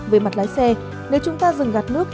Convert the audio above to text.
về mặt lái xe nếu chúng ta dừng gạt nước